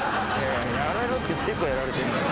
やられろって言ってっからやられてんだよ。